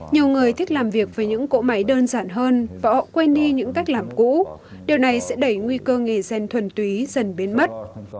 nhiều người thích làm việc với những cỗ máy đơn giản hơn và họ quên đi những cách làm cũ điều này sẽ đẩy nguy cơ nghề gen thuần túy dần biến mất